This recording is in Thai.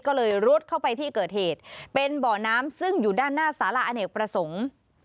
ก็เลยรุดเข้าไปที่เกิดเหตุเป็นบ่อน้ำซึ่งอยู่ด้านหน้าสาระอเนกประสงค์